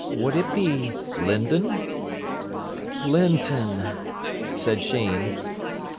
Would it be Lindon? "Linton," said Sheen.